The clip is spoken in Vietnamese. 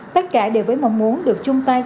tất cả đều với mong muốn được chung tay